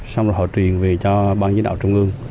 xong rồi họ truyền về cho ban giới đạo trung ương